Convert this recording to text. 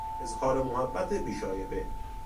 اظهار محبت بیشایبه